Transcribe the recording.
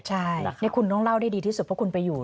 ใช่นี่คุณต้องเล่าได้ดีที่สุดเพราะคุณไปอยู่